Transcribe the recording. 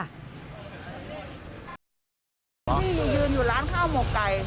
พี่ยืนอยู่ร้านข้าวหมกไก่